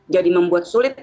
jadi membuat sulit